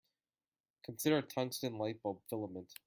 Consider a tungsten light-bulb filament.